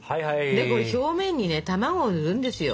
でこれに表面にね卵をぬるんですよ。